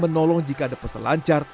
menolong jika ada peselancar